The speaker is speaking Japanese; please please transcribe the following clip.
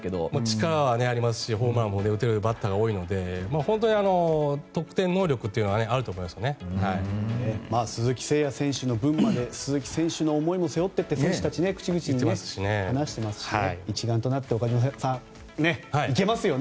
力はありますしホームランも打てるバッターが多いので本当に得点能力は鈴木誠也選手の分まで鈴木選手の思いも背負ってと選手たちは口々に話していますしね一丸となって、行けますよね。